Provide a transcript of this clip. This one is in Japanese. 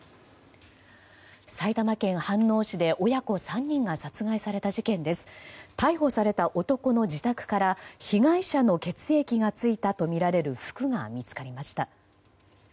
埼玉県飯能市で親子３人が殺害された事件で逮捕された男の自宅から被害者の血液がついたとみられる服が見つかりました。